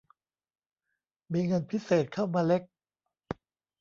มีเงินพิเศษเข้ามาเล็ก